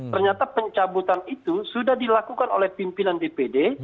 ternyata pencabutan itu sudah dilakukan oleh pimpinan dpd